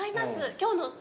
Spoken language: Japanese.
今日の。